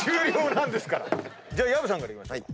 じゃあ薮さんからいきましょう。